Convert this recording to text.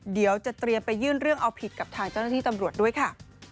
เดี๋ยวจะเตรียมไปยื่นเรื่องเอาผิดกับทางเจ้าหน้าที่ตำรวจด้วยค่ะ